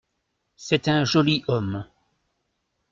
C’est un joli homme.